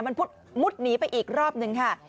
มันมุดหนีไปอีกรอบหนึ่งค่ะ